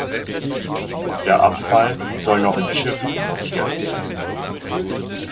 Der Abfall soll noch im Schiff sortiert werden.